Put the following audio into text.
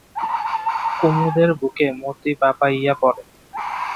কুমুদের বুকে মতি বাপাইয়া পড়ে।